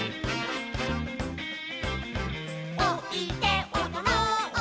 「おいでおどろう」